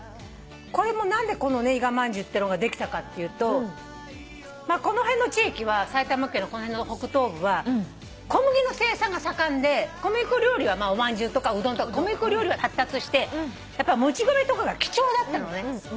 これも何でこのいがまんじゅうってのができたかっていうとこの辺の地域は埼玉県の北東部は小麦の生産が盛んでおまんじゅうとかうどんとか小麦粉料理は発達してもち米とかが貴重だったのね。